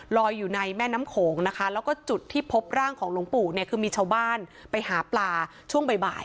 อยู่ในแม่น้ำโขงนะคะแล้วก็จุดที่พบร่างของหลวงปู่เนี่ยคือมีชาวบ้านไปหาปลาช่วงบ่าย